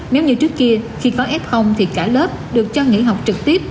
nếu như trước kia khi có f thì cả lớp được cho nghỉ học trực tiếp